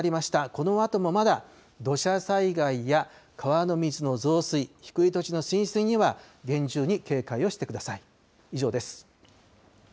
このあともまだ土砂災害や川の水の増水、低い土地の浸水には厳重に警戒をしてください。